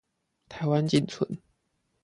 台灣僅存